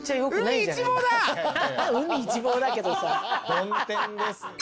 曇天です。